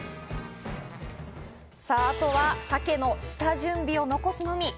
さぁ、あとはサケの下準備を残すのみ。